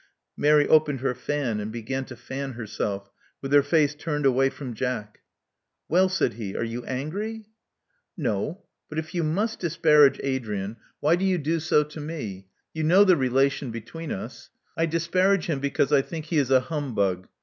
Mary opened her fan, and began to fan herself, with her face turned away from Jack. Well," said he, are you angry?" No. But if you must disparage Adrian, why do 196 Love Among the Artists you do so to me? You know the relation between us/* I disparage him because I think he is a humbug.